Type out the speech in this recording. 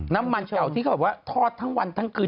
น้ำมันเก่าที่เขาแบบว่าทอดทั้งวันทั้งคืน